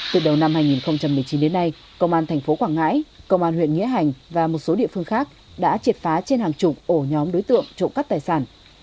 từ đầu năm hai nghìn một mươi chín đến nay công an thành phố quảng ngãi công an huyện nghĩa hành và một số địa phương khác đã triệt phá trên hàng chục ổ nhóm đối tượng trộm cắp tài sản